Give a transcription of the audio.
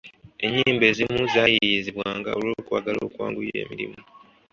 Ennyimba ezimu zaayiyizibwanga olw’okwagala okwanguya emirimu.